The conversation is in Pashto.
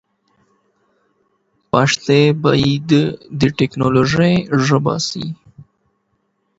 پښتو باید د ټیکنالوژي ژبه سی.